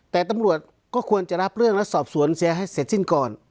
แต่ตำรวจก็ควรจะรับเรื่องและสอบสวนเสียให้เสร็จสิ้นก่อน